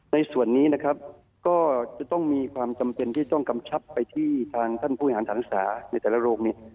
ในส่วนนี้นะครับก็จะต้องมีความจำเป็นที่ต้องกำชับไปที่ทางท่านผู้บริหารฐานศึกษาในแต่ละโรงเนี่ย